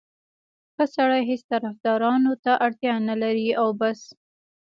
ښه سړی هېڅ طفدارانو ته اړتیا نه لري او بس.